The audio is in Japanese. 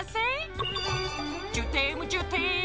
ジュテームジュテーム。